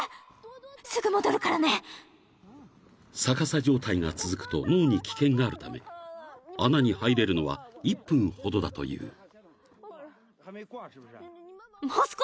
［逆さ状態が続くと脳に危険があるため穴に入れるのは１分ほどだという］